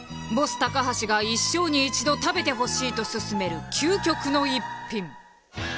ボス高橋が一生に一度食べてほしいと薦める究極の一品。